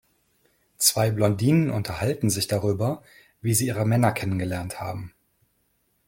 Zwei Blondinen unterhalten sich darüber, wie sie ihre Männer kennengelernt haben.